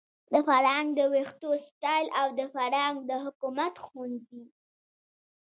د فرانک د ویښتو سټایل او د فرانک د حکمت ښوونځي